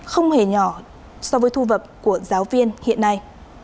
không hề nhỏ so với thu nhập của giáo viên hiện nay